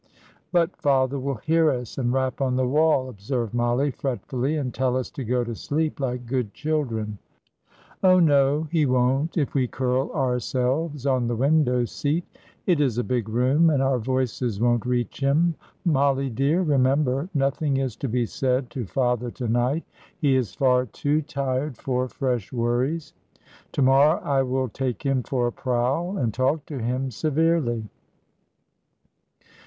"But father will hear us, and rap on the wall," observed Mollie, fretfully, "and tell us to go to sleep like good children." "Oh, no, he won't, if we curl ourselves on the window seat; it is a big room, and our voices won't reach him. Mollie dear, remember, nothing is to be said to father to night; he is far too tired for fresh worries. To morrow I will take him for a prowl, and talk to him severely.